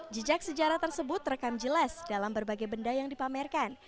jejak sejarah tersebut terekam jelas dalam berbagai benda yang dipamerkan